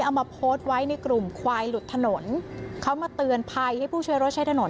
เอามาโพสต์ไว้ในกลุ่มควายหลุดถนนเขามาเตือนภัยให้ผู้ใช้รถใช้ถนน